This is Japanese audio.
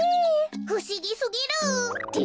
ふしぎすぎる！って